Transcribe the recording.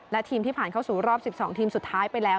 และทีมที่ผ่านเข้าสู่รอบ๑๒ทีมสุดท้ายไปแล้ว